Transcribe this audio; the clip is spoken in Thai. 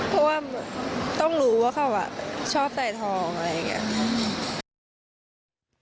เพราะว่าต้องรู้ว่าเขาชอบใส่ทองอะไรอย่างนี้